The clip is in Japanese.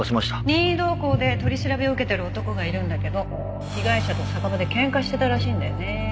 任意同行で取り調べを受けてる男がいるんだけど被害者と酒場で喧嘩してたらしいんだよね。